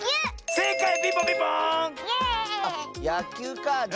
せいかい！